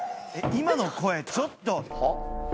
今の声ちょっと！